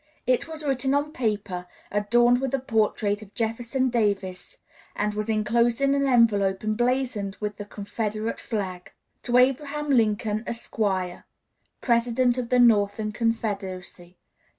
It was written on paper adorned with a portrait of Jefferson Davis, and was inclosed in an envelope emblazoned with the Confederate flag: "To ABRAHAM LINCOLN, Esq., President of the Northern Confederacy.